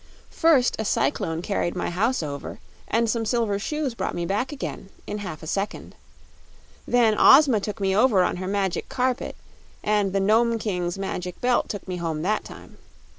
First a cyclone carried my house over, and some Silver Shoes brought me back again in half a second. Then Ozma took me over on her Magic Carpet, and the Nome King's Magic Belt took me home that time.